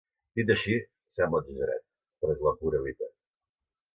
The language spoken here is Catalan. Dit així, sembla exagerat, però és la pura veritat.